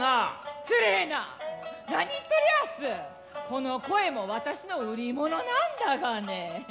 この声も私の売り物なんだがね。